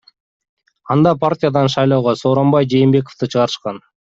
Анда партиядан шайлоого Сооронбай Жээнбековду чыгарышкан.